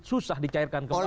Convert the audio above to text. susah dicairkan kembali